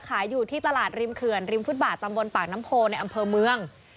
ขายอยู่ที่ตลาดริมเขื่อนริมฟุตบาทตำบลปากน้ำโพในอำเภอเมือง